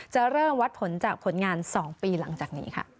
จะเริ่มวัดผลจากผลงาน๒ปีหลังจากนี้ค่ะ